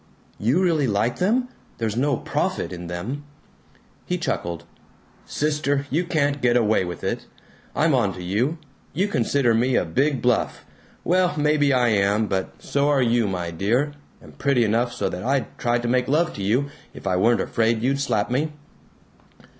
"You really like them? There's no profit in them." He chuckled. "Sister, you can't get away with it. I'm onto you. You consider me a big bluff. Well, maybe I am. But so are you, my dear and pretty enough so that I'd try to make love to you, if I weren't afraid you'd slap me."